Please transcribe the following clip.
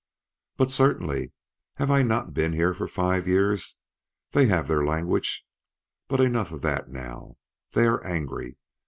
"But certainly; have I not been here for five years? They have their language but enough of that now. They are angry.